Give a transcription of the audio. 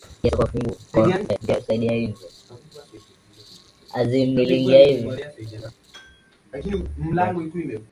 mtu yeyote anaweza kuelewa mada ya mjadala bila shida